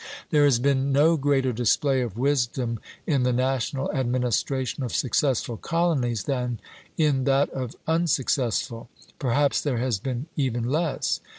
There has been no greater display of wisdom in the national administration of successful colonies than in that of unsuccessful. Perhaps there has been even less.